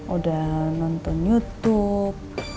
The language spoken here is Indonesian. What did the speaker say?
udah nonton youtube